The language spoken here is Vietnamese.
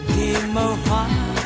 thì màu hoa